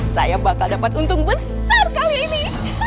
saya bakal dapat untung besar kali ini